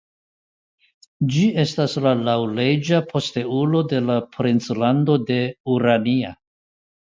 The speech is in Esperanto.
Ĝi estas la laŭleĝa posteulo de la Princlando de Urania.